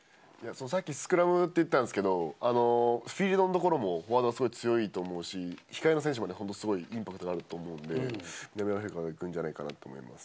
さっきスクラムって言ったんですけれども、フィールドのところも技はすごい強いと思うし、控えの選手も本当、すごいインパクトあると思うので、南アフリカ、行くんじゃないかと思います。